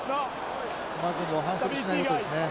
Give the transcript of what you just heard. まずもう反則しないことですね。